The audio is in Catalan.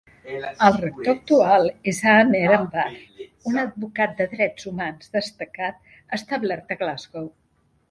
El rector actual és Aamer Anwar, un advocat de drets humans destacat establert a Glasgow.